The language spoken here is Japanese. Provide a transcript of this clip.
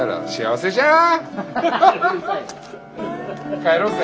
帰ろうぜ！